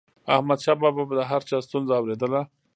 احمدشاه بابا به د هر چا ستونزه اوريدله.